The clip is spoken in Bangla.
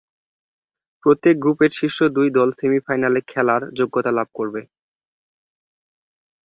প্রত্যেক গ্রুপের শীর্ষ দুই দল সেমি-ফাইনালে খেলার যোগ্যতা লাভ করবে।